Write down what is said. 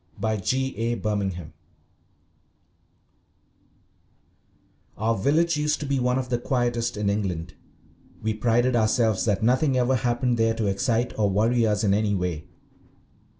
by G. A. Birmingham_ OUR village used to be one of the quietest in England. We prided ourselves that nothing ever happened there to excite or worry us in any way.